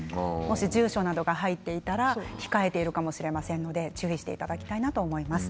住所などが入っていたら控えているかもしれませんので注意していただきたいです。